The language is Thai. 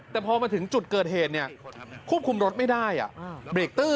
แต่พอมาถึงจุดเกิดเหตุนี่ควบคุมรถไม่ได้อ่ะ